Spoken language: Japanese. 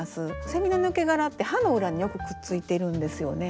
セミの抜け殻って葉の裏によくくっついているんですよね。